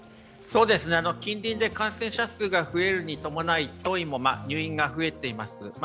近隣で感染者数が増えるに伴い、当院も入院が増えています。